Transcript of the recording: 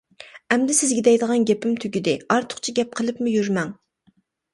ئەمدى سىزگە دەيدىغان گېپىم تۈگىدى، ئارتۇقچە گەپ قىلىپمۇ يۈرمەڭ!